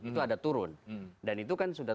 itu ada turun dan itu kan sudah